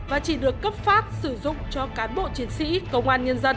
và chỉ được cấp phát sử dụng cho cán bộ chiến sĩ công an nhân dân